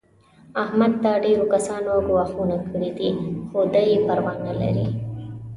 احمد ته ډېرو کسانو ګواښونه کړي دي. خو دی یې پروا نه لري.